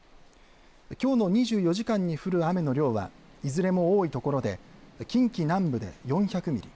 きょうの２４時間に降る雨の量はいずれも多いところで近畿南部で４００ミリ